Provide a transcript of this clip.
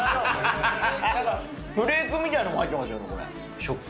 なんかフレークみたいなのも入ってますよね、これ。